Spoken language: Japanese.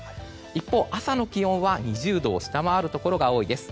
一方、朝の気温は２０度を下回るところが多いです。